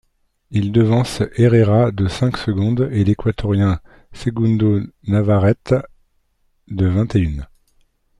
Il devance Herrera de cinq secondes et l'Équatorien Segundo Navarrete, de vingt-et-une.